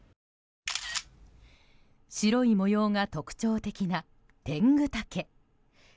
白い模様が特徴的なテングタケ。